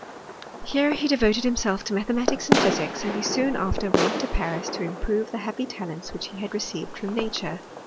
Here he devoted himself to mathematics and physics, and he soon after went to Paris to improve lie happy talents which he had received from nature.